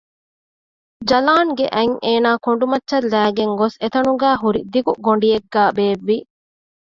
ޖަލާން ގެ އަތް އޭނަ ކޮނޑުމައްޗަށް ލައިގެން ގޮސް އެތަނުގައި ހުރި ދިގު ގޮޑިއެއްގައި ބޭއްވި